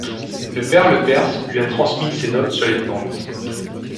Le Père Le Pers lui a transmis ses notes sur les plantes.